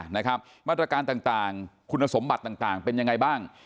มาตรการต่างคุณสมบัติต่างเป็นยังไงบ้าง